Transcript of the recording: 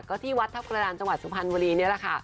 ก็ที่วัดทัพกระดานจังหวัดสุพรรณบุรีนี่แหละค่ะ